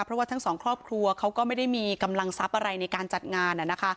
เพราะว่าทั้งสองครอบครัวเขาก็ไม่ได้มีกำลังทรัพย์อะไรในการจัดงาน